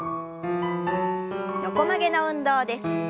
横曲げの運動です。